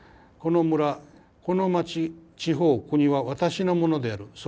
「この村この町地方国は私のものである。